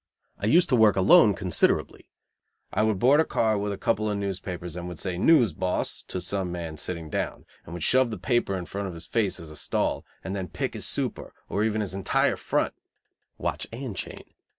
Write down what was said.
I used to work alone considerably. I would board a car with a couple of newspapers, would say, "News, boss?" to some man sitting down, would shove the paper in front of his face as a stall, and then pick his super or even his entire "front" (watch and chain).